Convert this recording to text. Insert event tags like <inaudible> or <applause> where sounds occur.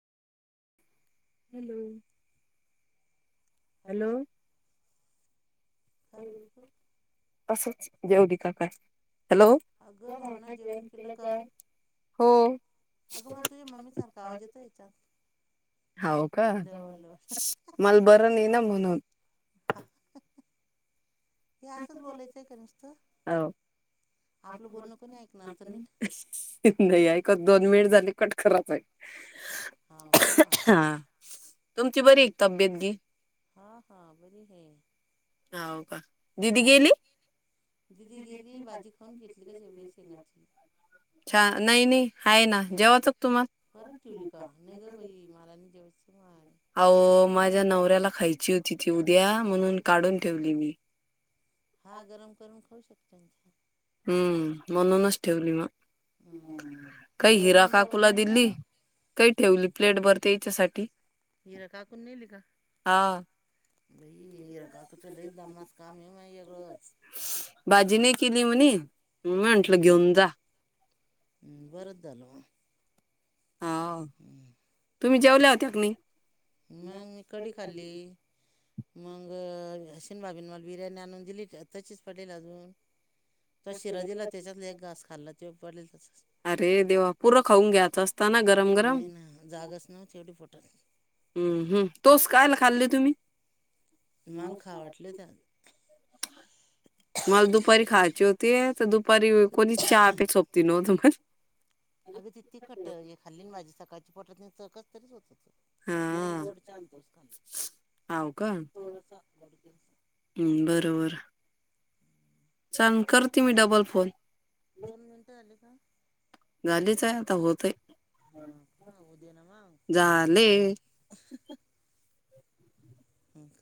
Hello. Hello. काय. <unintelligible> असचं जेवली का काय? हॅलो. अगं भावना जेवण केलं का <unintelligible> हो. अगं मला तुझ्या मम्मीसारखा आवाज येतो याच्यात हाव का जवळजवळ मल बर नही ना म्हणून. हे असंच बोलायचंय का नुसत? हो आपलं बोलणं कोणी ऐकणार तर नाही? नाही ऐकत दोन मिनिट झाले कट कराचय. हाव का? तुमची बरी आहे का तब्येत गी हा हा बरीय हे. हाव का? दिदी भाजी गेली. दिदी गेली भाजी खाऊन घेतली कसे शेंगाची. छा नाही नाही आहे ना जेवाच परत केली तुम्हाला का? नाहीग बाई. मलान चोडीच मा. अहो माझ्या नवऱ्याला खायची होती ती उद्या म्हणून काढून ठेवली मी. हा गरम करून खाऊ शकतो. हम्म म्हणूनच ठेवली मग हम्म काही दोन हिरा मिनिटं काकूला बोलणं का दिली. काही ठेवली प्लेट भरते याच्यासाठी. हिरा काकून नेल का बई हिरा काक चलत द मस् का आमही मग वगळंच. बाजी नाही केली म्हनी म म्हटलं घेऊन जा. बर झाल. हा हम्म. तुम्ही जेवला होत्या नाही. मग मी कडी खाल्ली. मग शिनवा <unintelligible> बिर्याणी आणून दिली त तशीच पडलेल अजून. तो शिरा दिला त्याच्यातल एक घास खाल्ला त्यो पडला तसच. अरे देवा पूर्ण खाऊन घ्यायचं असत ना गरम गरम. नाही ना जागाच नव्हती एवढी पोटात हम्म हम्म तोच काय - ला खाल्ले तुम्ही. माल खा वाटले त्या. मला दुपारी खायची होती तर दुपारी कोणी चहा पे सोपती नव्हत मग. अग तिकी खट खाल्ली भाजी सकाळची पटतकच तरीच होत हो तो. म हा गोडचांतोस्कली हाव का हम्म, थोडासा गोडचल. बरोबर. चाल करते मी डबल फोन. दोन मिनिटं झाली का? झालीच आहे आता होतय. हा का उ दे ना म. झाले हां का.